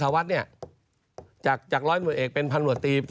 เขาแบบเอาของจริงมาพูดค่ะเนี่ย